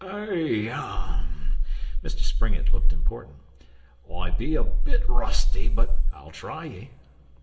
'Aa um!' Mr Springett looked important. 'I be a bit rusty, but I'll try ye!